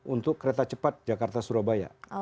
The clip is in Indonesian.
untuk kereta cepat jakarta surabaya